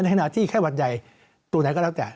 ในขณะที่แค่วัดใยตัวไหนก็แล้วแต่